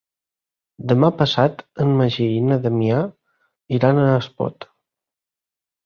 Demà passat en Magí i na Damià iran a Espot.